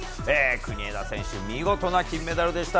国枝選手、見事な金メダルでした。